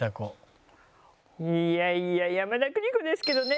いやいや山田邦子ですけどね。